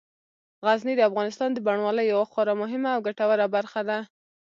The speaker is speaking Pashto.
غزني د افغانستان د بڼوالۍ یوه خورا مهمه او ګټوره برخه ده.